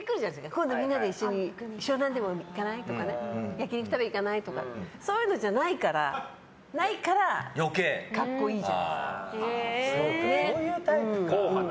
今度みんなで一緒に湘南でも行かない？とか焼き肉食べ行かない？とかそういうのじゃないからそういうタイプか。